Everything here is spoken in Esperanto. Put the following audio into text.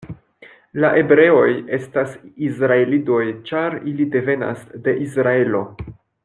La hebreoj estas Izraelidoj, ĉar ili devenas de Izraelo.